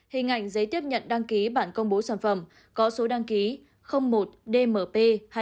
hình ảnh giấy tiếp nhận đăng ký bản công bố sản phẩm có số đăng ký một dmp hai nghìn một mươi tám